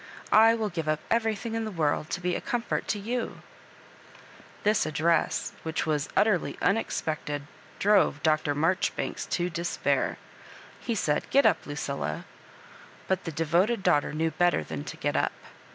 I will give up everything in the world to be a comfort to you I" This address, which was utterly unexpected, drove Dr. Marjoribanks to despair. He said, " Get up, Lucilla ;" but the devoted daughter knew better than to get up.